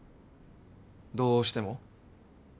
どうしても？